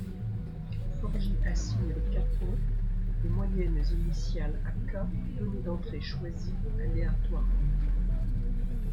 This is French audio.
Forgy assigne les k points des moyennes initiales à k données d'entrée choisies aléatoirement.